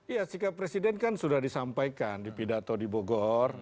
ya sikap presiden kan sudah disampaikan di pidato di bogor